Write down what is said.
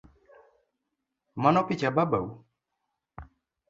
Mano picha babau?